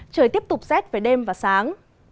trời tiếp tục xét về đêm và sáng